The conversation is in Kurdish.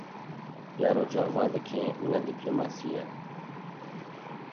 Ya rojava dike ne dîplomasî ye.